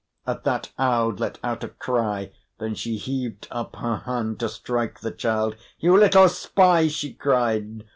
At that Aud let out a cry. Then she heaved up her hand to strike the child. "You little spy!" she cried.